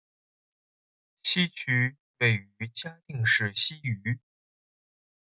西区位于嘉义市西隅。